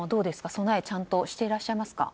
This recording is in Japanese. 備えちゃんとしていらっしゃいますか。